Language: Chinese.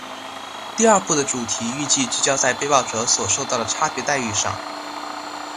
第二部的主题预计聚焦在被爆者所受到的差别待遇上。